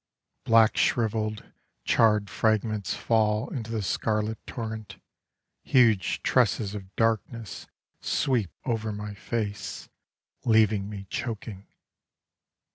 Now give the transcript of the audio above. Black shrivelled, charred fragments Fall into the scarlet torrent: Huge tresses of darkness sweep over my face, Leaving me choking.